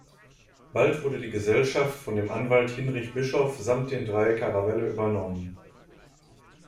Bald wurde die Gesellschaft von dem Anwalt Hinrich Bischoff samt den drei Caravelle übernommen.